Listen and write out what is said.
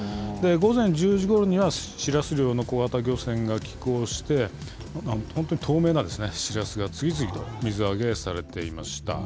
午前１０時ごろには、シラス漁の小型漁船が帰港して、本当に透明なですね、シラスが次々と水揚げされていました。